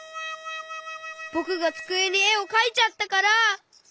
ぼくがつくえにえをかいちゃったから。